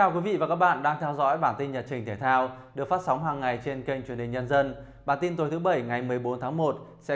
các bạn hãy đăng ký kênh để ủng hộ kênh của chúng mình nhé